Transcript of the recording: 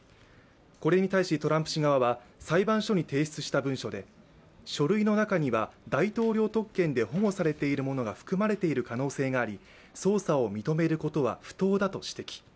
これに対し、トランプ氏側は裁判所に提出した文書で書類の中には大統領特権で保護されているものが含まれている可能性があり捜査を認めることは不当だと指摘。